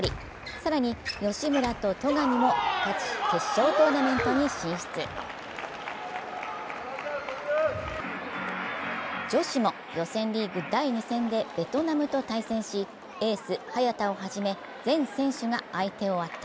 更に吉村と戸上も勝ち決勝トーナメントに進出女子も予選リーグ第２戦でベトナムと対戦し、エース・早田をはじめ全選手が相手を圧倒。